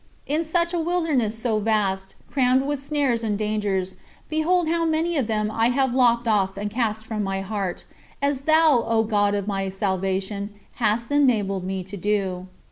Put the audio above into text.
56. In such a wilderness so vast, crammed with snares and dangers, behold how many of them I have lopped off and cast from my heart, as thou, O God of my salvation, hast enabled me to do.